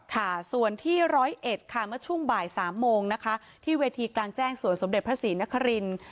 ค่ะส่วนที่๑๐๑ค่ะเมื่อช่วงบ่าย๓โมงที่เวทีกลางแจ้งสวนสมเด็จพระศรีนคริน